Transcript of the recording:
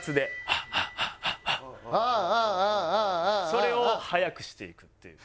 それを速くしていくっていう。